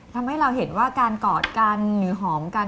ทำให้เราเห็นว่าการกอดกันหรือหอมกัน